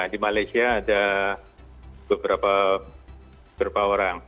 di malaysia ada beberapa orang